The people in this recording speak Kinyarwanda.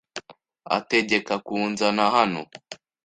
Ategeka kunzana hano